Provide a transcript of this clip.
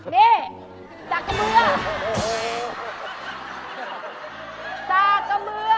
นี่สากะเมื้อ